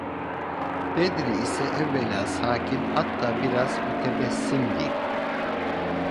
Bedri ise evvela sakin, hatta biraz mütebessimdi.